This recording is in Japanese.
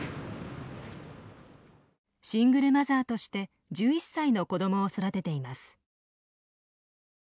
シングルマザーとして１１歳の子どもを育てています。